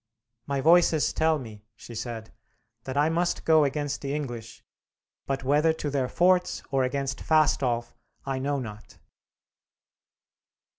"My Voices tell me," she said, "that I must go against the English, but whether to their forts or against Fastolf I know not."